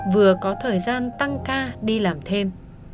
vừa có thời gian tăng ca đi làm thêm